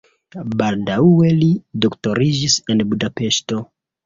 Baldaŭe li doktoriĝis en Budapeŝto.